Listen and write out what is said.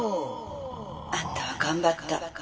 「あんたは頑張った。